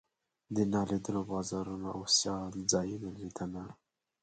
د نالیدلو بازارونو او سیال ځایونو لیدنه.